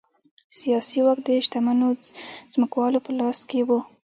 سیاسي واک د شتمنو ځمکوالو په لاس کې و